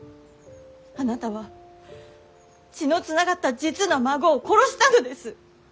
あなたは血の繋がった実の孫を殺したのです。